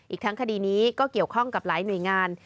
อีกทั้งคดีนี้ก็เกี่ยวข้องกับหลายหน่วยงาน